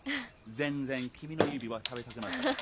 全然君の指は食べたくないから。